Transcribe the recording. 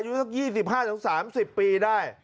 อายุสัก๒๕๓๐ปีได้